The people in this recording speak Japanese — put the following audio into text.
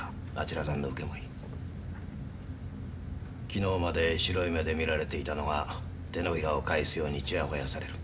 昨日まで白い目で見られていたのが手のひらを返すようにちやほやされる。